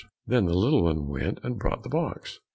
Then the little one went and brought the box.